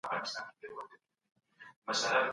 ادب په کورنۍ کې زده کیږي.